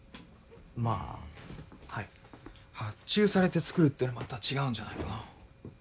まあはい発注されて作るってのはまた違うんじゃないかな